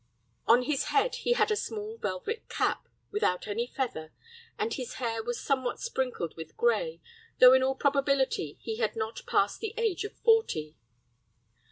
On his head he had a small velvet cap, without any feather, and his hair was somewhat sprinkled with gray, though in all probability he had not passed the age of forty.